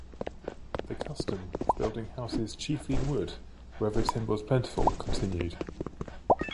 The custom of building houses chiefly in wood wherever timber was plentiful continued.